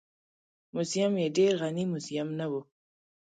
موزیم یې ډېر غني موزیم نه و.